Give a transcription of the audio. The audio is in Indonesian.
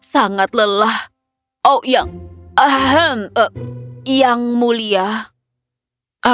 sangat lelah oh yang ahem yang mulia